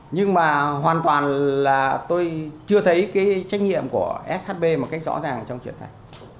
nhưng mà hoàn toàn là tôi chưa thấy cái trách nhiệm của shb một cách rõ ràng trong chuyện này